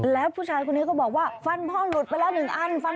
แล้วผู้ชายคนนี้ก็บอกว่าฟันพ่อหลุดไปแล้ว๑อัน